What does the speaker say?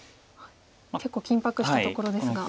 結構緊迫したところですが。